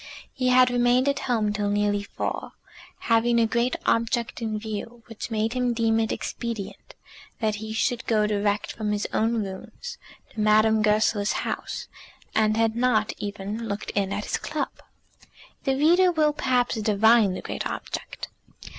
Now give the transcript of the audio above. He had remained at home till nearly four, having a great object in view, which made him deem it expedient that he should go direct from his own rooms to Madame Goesler's house, and had not even looked in at his club. The reader will, perhaps, divine the great object.